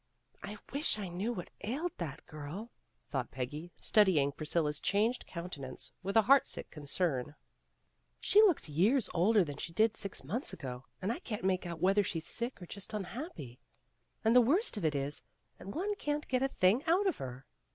"I wish I knew what ailed that girl," thought Peggy, studying Priscilla's changed counten ance with a heart sick concern. "She looks years older than she did six months ago, and I can't make out whether she's sick or just un happy. And the worst of it is that one can't get a thing out of her."